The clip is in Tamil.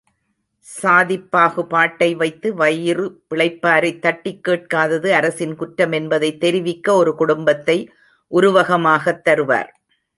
சாதிப்பாகுபாட்டை வைத்து வயிறு பிழைப்பாரைத் தட்டிக் கேட்காதது அரசின் குற்றம் என்பதைத் தெரிவிக்க ஒரு குடும்பத்தை உருவகமாகத் தருவார்.